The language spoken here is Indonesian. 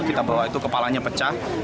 kita bawa itu kepalanya pecah